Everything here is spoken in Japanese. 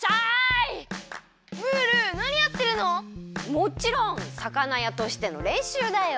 もちろん魚やとしてのれんしゅうだよ。